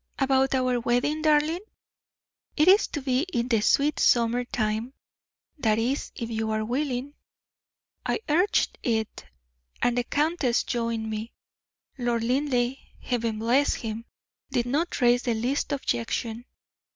"About our wedding, darling? It is to be in the sweet summer time, that is, if you are willing. I urged it; and the countess joined me. Lord Linleigh Heaven bless him! did not raise the least objection.